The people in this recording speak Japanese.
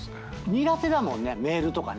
苦手だもんねメールとかね。